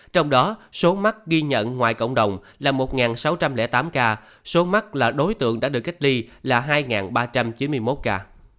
trong đó số mắc ghi nhận ngoài cộng đồng là một sáu trăm linh tám ca số mắc là đối tượng đã được cách ly là hai ba trăm chín mươi một ca